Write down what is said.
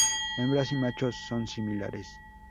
Hembras y machos son similares.